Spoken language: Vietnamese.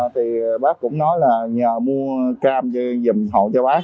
thì bác cũng nói là nhờ mua cam dùm hậu cho bác